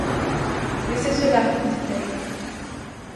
Laissez cela, dit-elle.